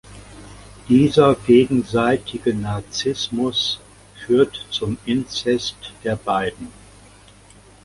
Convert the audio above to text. Dieser gegenseitige Narzissmus führt zum Inzest der beiden.